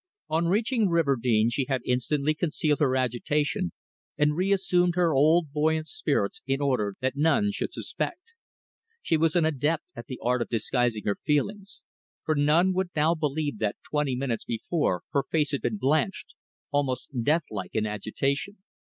On reaching Riverdene she had instantly concealed her agitation and reassumed her old buoyant spirits in order that none should suspect. She was an adept at the art of disguising her feelings, for none would now believe that twenty minutes before her face had been blanched, almost deathlike in agitation.